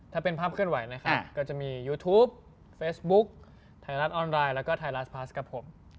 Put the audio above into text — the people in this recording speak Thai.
ถ้าเป็นภาพเคลื่อนไหวนะครับก็จะมียูทูปเฟซบุ๊กไทยรัฐออนไลน์แล้วก็ไทยรัฐพลัสกับผม